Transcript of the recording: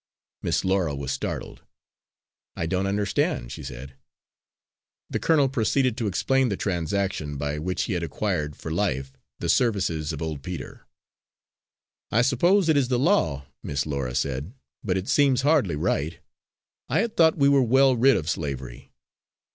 Miss Laura was startled. "I don't understand," she said. The colonel proceeded to explain the transaction by which he had acquired, for life, the services of old Peter. "I suppose it is the law," Miss Laura said, "but it seems hardly right. I had thought we were well rid of slavery.